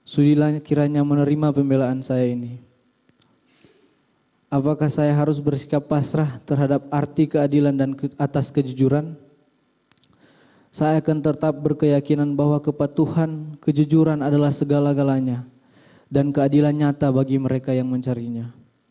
saya akan tetap berkeyakinan bahwa kepada tuhan kejujuran adalah segala galanya dan keadilan nyata bagi mereka yang mencarinya